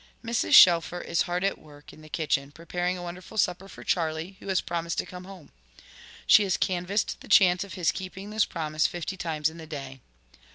Mrs. Shelfer is hard at work in the kitchen, preparing a wonderful supper for Charley, who has promised to come home. She has canvassed the chance of his keeping this promise fifty times in the day.